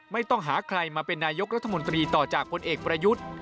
ไม่ต้องหาใครมาเป็นนายกรัฐมนตรีต่อจากพลเอกประยุทธ์